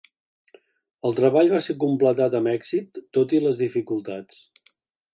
El treball va ser completat amb èxit, tot i les dificultats.